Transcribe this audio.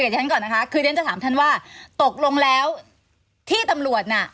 เดี๋ยวฉันก่อนนะคะคือเรียนจะถามท่านว่าตกลงแล้วที่ตำรวจน่ะ